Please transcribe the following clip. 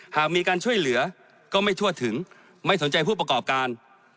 หากมีการช่วยเหลือก็ไม่ทั่วถึงไม่สนใจผู้ประกอบการ